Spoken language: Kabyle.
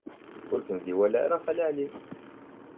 Ur ken-id-iwala ara Xali Ɛli.